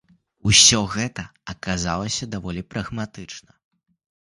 Усё гэта аказалася даволі прагматычна.